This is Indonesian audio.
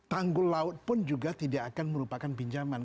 tanggul laut pun juga tidak akan merupakan pinjaman